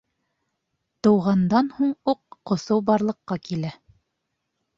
- тыуғандан һуң уҡ ҡоҫоу барлыҡҡа килә